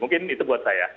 mungkin itu buat saya